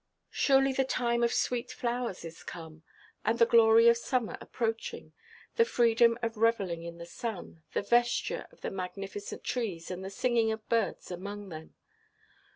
Surely the time of sweet flowers is come, and the glory of summer approaching, the freedom of revelling in the sun, the vesture of the magnificent trees, and the singing of birds among them.